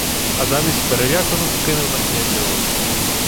Адаміс перелякано скинув на князя очі.